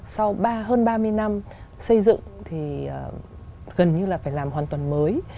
sau hơn ba mươi năm xây dựng thì gần như là phải làm hoàn toàn mới